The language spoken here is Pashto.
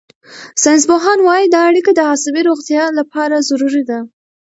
ساینسپوهان وايي دا اړیکه د عصبي روغتیا لپاره ضروري ده.